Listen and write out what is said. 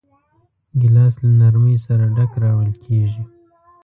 ګیلاس له نرمۍ سره ډک راوړل کېږي.